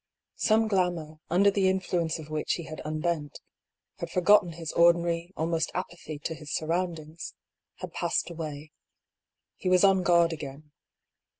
Some glamour, under the influence of which he had unbent — ^had forgotten his ordinary almost apathy to his surroundings — ^had passed away. He was on guard again.